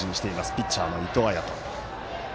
ピッチャーの伊藤彩斗。